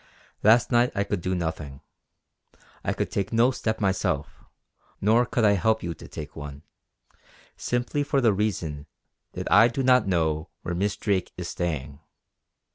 Last night I could do nothing. I could take no step myself, nor could I help you to take one; simply for the reason that I do not know where Miss Drake is staying.